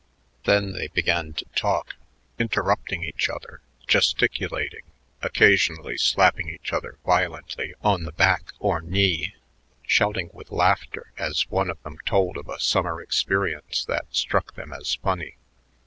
Then they began to talk, interrupting each other, gesticulating, occasionally slapping each other violently on the back or knee, shouting with laughter as one of them told of a summer experience that struck them as funny.